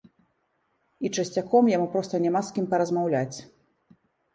І часцяком яму проста няма з кім паразмаўляць.